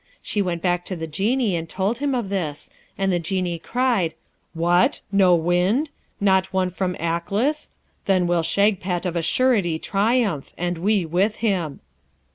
She went back to the Genie, and told him of this, and the Genie cried, 'What? no wind? not one from Aklis? Then will Shagpat of a surety triumph, and we with him.'